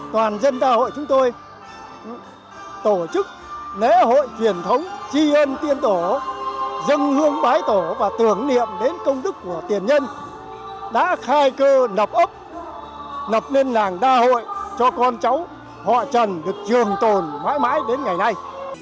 toàn dân ta hội chúng tôi tổ chức lễ hội truyền thống chi hân tiên tổ dân hương bái tổ và tưởng niệm đến công đức của tiền nhân đã khai cơ đập ấp lập nên làng đa hội cho con cháu họ trần được trường tồn mãi mãi đến ngày nay